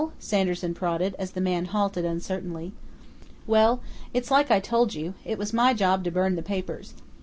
Sanderson prodded, as the man halted uncertainly. "Well, it's like I told you, it was my job to burn the papers.